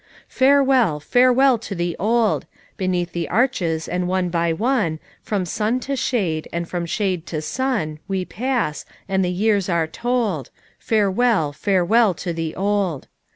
"Farewell, farewell to the Old! Beneath the arches and one by one From sun to shade, and from shade to sun, We pass, and the years are told — Farewell, farewell to the Old.